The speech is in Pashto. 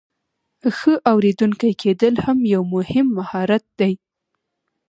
ښه اوریدونکی کیدل هم یو مهم مهارت دی.